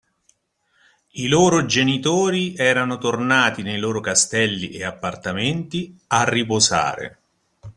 I loro genitori erano tornati nei loro castelli e appartamenti, a riposare